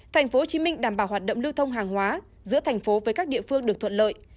tp hcm đảm bảo hoạt động lưu thông hàng hóa giữa thành phố với các địa phương được thuận lợi